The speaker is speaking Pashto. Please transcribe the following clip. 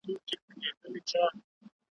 يوه ورځ پر دغه ځمکه `